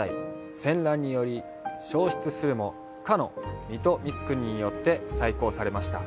戦乱により焼失するも、かの水戸光圀によって再興されました。